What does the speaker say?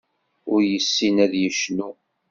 Ur yessin ad yecnu.